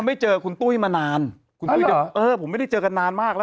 ไม่เจอคุณตุ้ยมานานคุณตุ้ยผมไม่ได้เจอกันนานมากแล้ว